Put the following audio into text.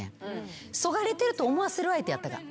そがれてると思わせる相手やったから。